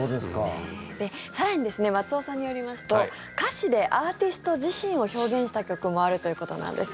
更に松尾さんによりますと歌詞でアーティスト自身を表現した曲もあるということなんです。